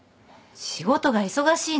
仕事が忙しいの。